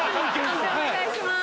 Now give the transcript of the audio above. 判定お願いします。